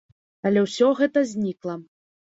Але ўсё гэта знікла.